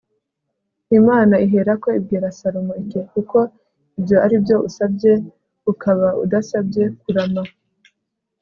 imana iherako ibwira salomo iti kuko ibyo ari byo usabye, ukaba udasabye kurama